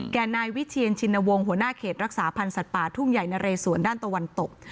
นายวิเชียนชินวงศ์หัวหน้าเขตรักษาพันธ์สัตว์ป่าทุ่งใหญ่นะเรสวนด้านตะวันตก